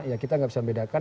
ya kita nggak bisa membedakan